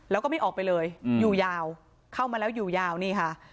แล้วก็ไม่ออกไปเลยอยู่ยาวเข้ามาแล้วอยู่ยาวนี่ค่ะ